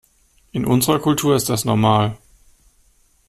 In unserer Kultur ist das normal.